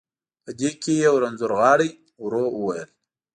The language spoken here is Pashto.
په دې کې یو رنځور غاړي، ورو وویل.